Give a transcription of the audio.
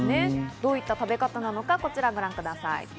どういった食べ方かというと、こちらをご覧ください。